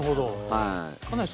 はい。